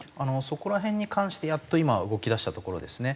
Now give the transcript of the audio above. そこら辺に関してやっと今動き出したところですね。